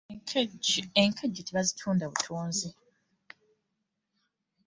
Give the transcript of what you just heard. Enkejje tebazitunga butunzi.